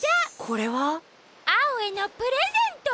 これは？アオへのプレゼント！